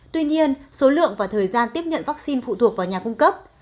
tuy nhiên số lượng và thời gian tiếp nhận vaccine phụ thuộc vào nhà cung cấp